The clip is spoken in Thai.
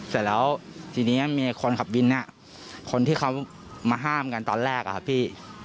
เสร็จแล้วทีนี้มีคนขับวินเนี่ยคนที่เขามาห้ามกันตอนแรกอะครับพี่